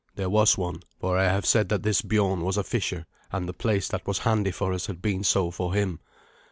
There was one, for I have said that this Biorn was a fisher, and the place that was handy for us had been so for him.